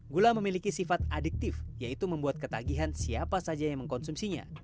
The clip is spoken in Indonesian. gula memiliki sifat adiktif yaitu membuat ketagihan siapa saja yang mengkonsumsinya